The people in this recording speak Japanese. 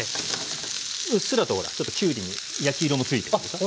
うっすらとほらちょっときゅうりに焼き色もついてるでしょ。